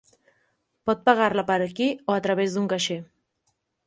Pot pagar-la per aquí o a través d'un caixer.